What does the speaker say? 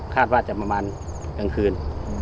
คาดว่าจะประมาณกลางคืน